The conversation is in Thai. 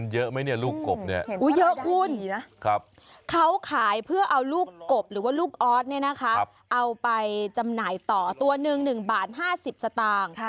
เยอะหุ้นเขาขายเพื่อเอาลูกกบหรือว่าลูกออสเอาไปจำหน่ายต่อตัวนึง๑บาท๕๐สตางค์